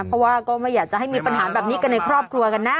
เพราะว่าก็ไม่อยากจะให้มีปัญหาแบบนี้กันในครอบครัวกันนะ